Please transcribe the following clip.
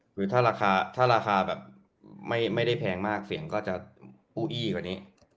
คือถ้าราคาถ้าราคาแบบไม่ได้แพงมากเสียงก็จะอู้อี้กว่านี้